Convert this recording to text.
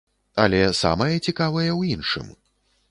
Але самае цікавае ў іншым.